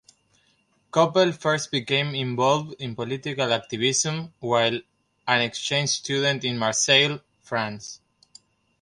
Koppel first became involved in political activism while an exchange student in Marseille, France.